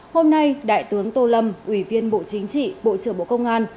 hôm nay đại tướng tô lâm ủy viên bộ chính trị bộ trưởng bộ công an